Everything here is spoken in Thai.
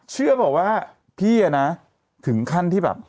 เชื่อบอกว่าพี่นะถึงขั้นที่แบบ